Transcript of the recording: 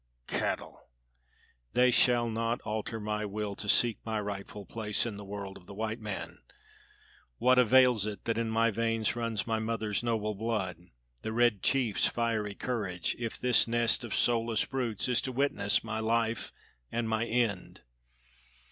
Cattle! They shall not alter my will to seek my rightful place in the world of the white man! What avails it that in my veins runs my mother's noble blood, the red chief's fiery courage, if this nest of soulless brutes is to witness my life and my end?